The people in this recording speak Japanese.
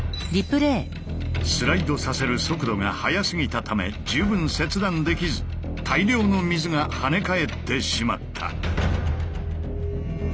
スライドさせる速度が速すぎたため十分切断できず大量の水が跳ね返ってしまった。